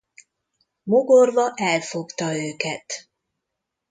Mogorva elfogta őket.